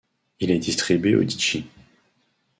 Il est distribué aux d.j.